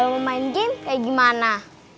mau main game kayak gimana